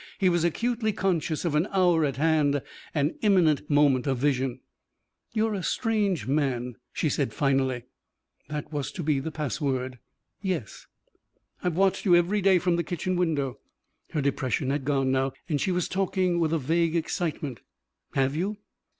He was acutely conscious of an hour at hand, an imminent moment of vision. "You're a strange man," she said finally. That was to be the password. "Yes?" "I've watched you every day from the kitchen window." Her depression had gone now and she was talking with a vague excitement. "Have you?"